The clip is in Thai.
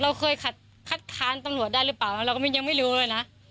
เราเคยคัดค้านตำรวจได้หรือเปล่านะเราก็ยังไม่รู้เลยนะ